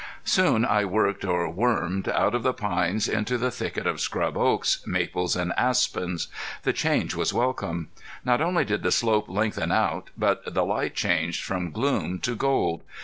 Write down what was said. Soon I worked or wormed out of the pines into the thicket of scrub oaks, maples and aspens. The change was welcome. Not only did the slope lengthen out, but the light changed from gloom to gold.